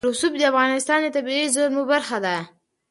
رسوب د افغانستان د طبیعي زیرمو برخه ده.